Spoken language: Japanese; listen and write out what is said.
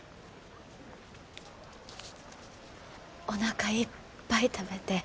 おなかいっぱい食べて。